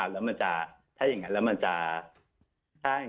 ถ้าอย่างงั้นแล้วมันจะ